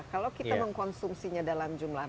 kalau kita mengkonsumsinya dalam jumlah